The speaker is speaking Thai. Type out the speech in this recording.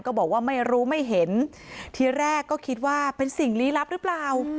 บอกว่าไม่รู้ไม่เห็นทีแรกก็คิดว่าเป็นสิ่งลี้ลับหรือเปล่า